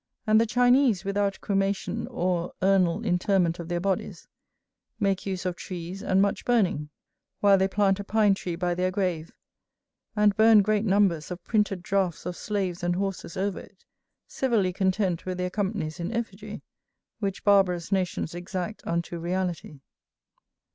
And the Chinese without cremation or urnal interment of their bodies, make use of trees and much burning, while they plant a pine tree by their grave, and burn great numbers of printed draughts of slaves and horses over it, civilly content with their companies in effigy, which barbarous nations exact unto reality.